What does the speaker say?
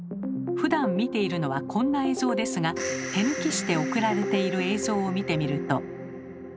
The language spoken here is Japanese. ふだん見ているのはこんな映像ですが手抜きして送られている映像を見てみると。